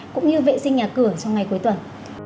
cũng như vệ sinh nhà cửa trong ngày cuối tuần